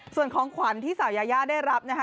ส่วนของขวัญที่สาวยายาได้รับนะคะ